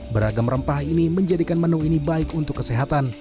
beragam rempah ini menjadikan menu ini baik untuk kesehatan